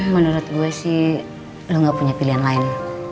menurut gue sih lo gak punya pilihan lain